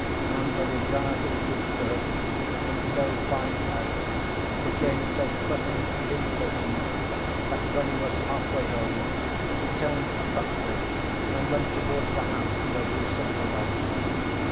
And the desire to speak to her, and so find out, became so pressing and importunate that when he was half‐way home he turned abruptly and went towards the house where Grushenka lodged.